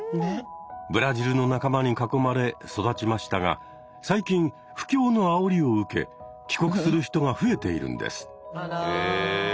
ブラジルの仲間に囲まれ育ちましたが最近不況のあおりを受け帰国する人が増えているんです。